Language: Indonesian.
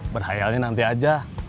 berhayalnya nanti aja